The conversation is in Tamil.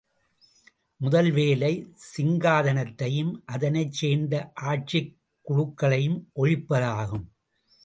முதல் வேலை, சிங்காதனத்தையும் அதனைச் சேர்ந்த ஆட்சிக்குழுக்களையும் ஒழிப்பதாகும்.